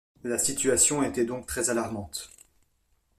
La situation était donc très-alarmante.